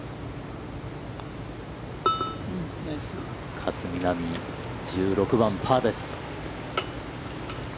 勝みなみ、１６番、パーです。